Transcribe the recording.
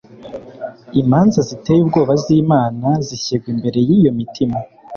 imanza ziteye ubwoba z'Imana zishyirwa imbere y'iyo mitima